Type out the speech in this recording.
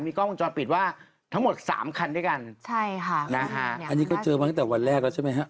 มีกล้องกล้องจอปิดว่าทั้งหมด๓คันด้วยกันอันนี้ก็เจอมาตั้งแต่วันแรกแล้วใช่ไหมครับ